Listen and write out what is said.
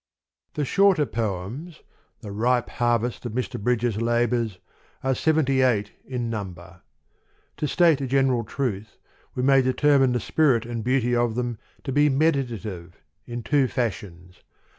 The Shorter Poems, the ripe harvest of Mr. Bridges' labours, are seventy eight in number : to state a general truth, we may determine the spirit and beauty of them to be meditative, in two fashions.